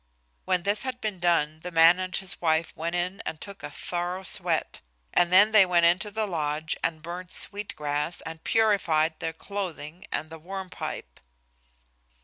When this had been done the man and his wife went in and took a thorough sweat, and then they went into the lodge and burned sweet grass and purified their clothing and the Worm Pipe.